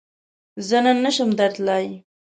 زۀ نن نشم درتلای